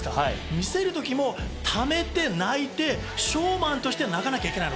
見せる時もためて泣いて、ショーマンとして泣かなきゃいけないの。